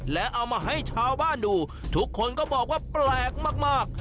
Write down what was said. และเอามาให้ชาวบ้านดูทุกคนก็บอกว่าแปลกมาก